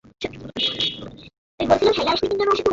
এই মুহুর্তে আমাদের এখান থেকে বের হবার কথা ভাবা উচিত!